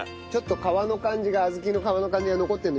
皮の感じが小豆の皮の感じが残ってるのいいね。